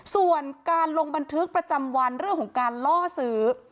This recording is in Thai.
ส่วนการลงบันทึกประจำวันเรื่องของการล่อซื้อ